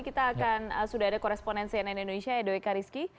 kita akan sudah ada korespondensi nn indonesia edo eka rizky